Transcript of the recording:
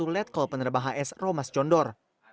letkol penerbangan hs romas condor